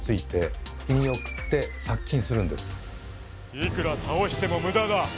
いくら倒しても無駄だ。